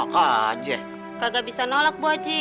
gak bisa nolak bu haji